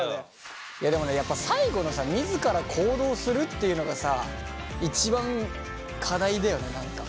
でもねやっぱ最後のさ自ら行動するっていうのがさ一番課題だよね何か。